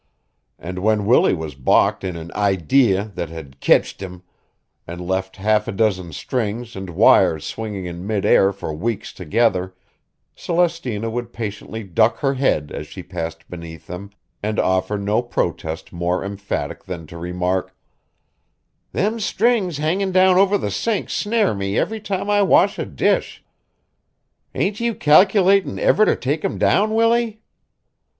And when Willie was balked in an "idee" that had "kitched him," and left half a dozen strings and wires swinging in mid air for weeks together, Celestina would patiently duck her head as she passed beneath them and offer no protest more emphatic than to remark: "Them strings hangin' down over the sink snare me every time I wash a dish. Ain't you calculatin' ever to take 'em down, Willie?"